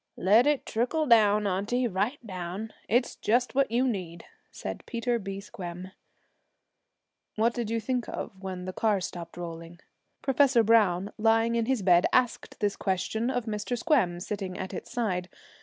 'Let it trickle down, auntie right down. It's just what you need,' said Peter B. Squem. 'What did you think of when the car stopped rolling?' Professor Browne, lying in his bed, asked this question of Mr. Squem, sitting at its side.